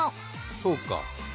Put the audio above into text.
そうか。